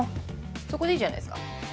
そこでいいじゃないですか。